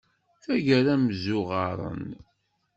Taggara mmzuɣaṛen.